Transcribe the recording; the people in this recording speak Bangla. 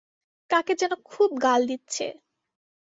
কাকে যেন খুব গাল দিচ্ছে।